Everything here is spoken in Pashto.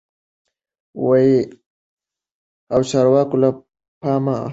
او چارواکو له پا مه هم غور ځول شوي وه